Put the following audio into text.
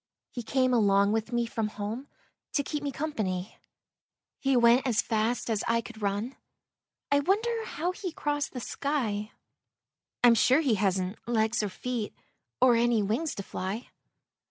He came along with me from home To keep me company. He went as fast as I could run; I wonder how he crossed the sky? I'm sure he hasn't legs and feet Or any wings to fly.